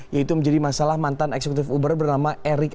yaitu menjadi masalah mantan eksekutif uber bernama eric alexander